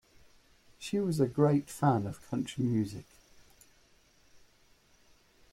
She was a great fan of country music